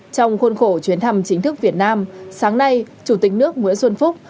trong khuôn khổ chuyến thăm chính thức việt nam sáng nay chủ tịch nước nguyễn xuân phúc